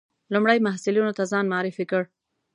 لومړي محصلینو ته ځان معرفي کړ.